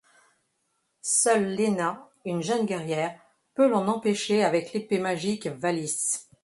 Seule Lena, une jeune guerrière, peut l'en empêcher avec l'épée magique Valis.